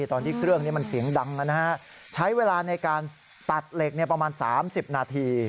ตอนที่เครื่องนี้มันเสียงดังใช้เวลาในการตัดเหล็กประมาณ๓๐นาที